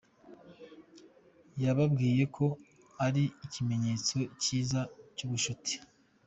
Yababwiye ko ari ikimenyetso kiza cy’ubucuti.